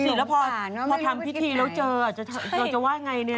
สิแล้วพอทำพิธีแล้วเจอเราจะว่าไงเนี่ย